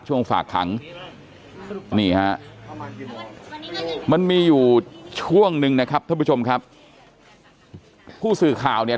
ฝากขังนี่ฮะมันมีอยู่ช่วงหนึ่งนะครับท่านผู้ชมครับผู้สื่อข่าวเนี่ย